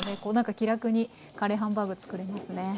気楽にカレーハンバーグ作れますね。